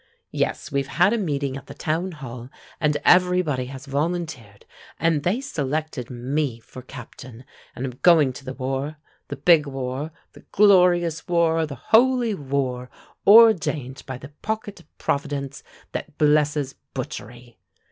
Yes, we've had a meeting at the town hall, and everybody has volunteered; and they selected me for captain, and I'm going to the war, the big war, the glorious war, the holy war ordained by the pocket Providence that blesses butchery.